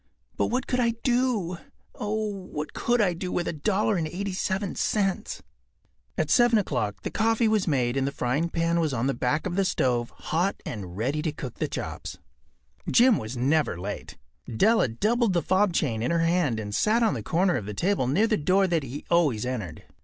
But what could I do—oh! what could I do with a dollar and eighty seven cents?” At 7 o’clock the coffee was made and the frying pan was on the back of the stove hot and ready to cook the chops. Jim was never late. Della doubled the fob chain in her hand and sat on the corner of the table near the door that he always entered.